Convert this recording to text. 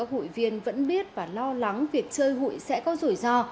hội viên vẫn biết và lo lắng việc chơi hủi sẽ có rủi ro